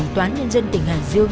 toán nhân dân tỉnh hải dương